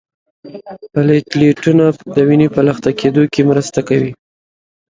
پلیټلیټونه د وینې په لخته کیدو کې مرسته کوي